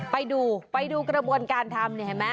ไปดูไปดูกระบวนการทำเนี่ยเห็นไหม